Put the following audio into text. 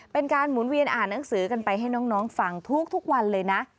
เป็นการหมุนเวียนอ่านหนังสือกันไปให้น้องฟังทุกวันเลยนะ